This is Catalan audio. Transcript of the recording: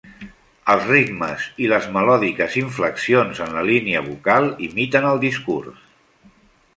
Els ritmes i les melòdiques inflexions en la línia vocal imiten el discurs.